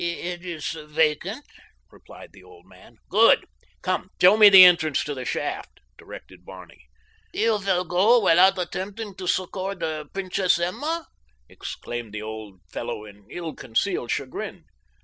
"It is vacant," replied the old man. "Good! Come, show me the entrance to the shaft," directed Barney. "You will go without attempting to succor the Princess Emma?" exclaimed the old fellow in ill concealed chagrin.